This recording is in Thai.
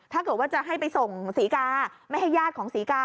ถ้าเกิดว่าจะให้ไปส่งศรีกาไม่ให้ญาติของศรีกา